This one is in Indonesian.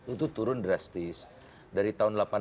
itu turun drastis dari tahun